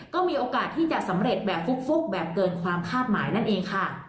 ก็มีโอกาสที่จะสำเร็จแบบฟุกแบบเกินความคาดหมายนั่นเองค่ะ